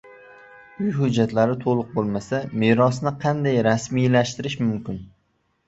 Uy hujjatlari to`liq bo`lmasa merosni qanday rasmiylashtirish mumkin?